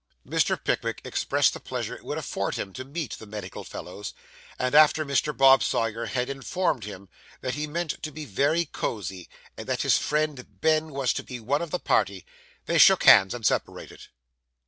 Mr. Pickwick expressed the pleasure it would afford him to meet the medical fellows; and after Mr. Bob Sawyer had informed him that he meant to be very cosy, and that his friend Ben was to be one of the party, they shook hands and separated.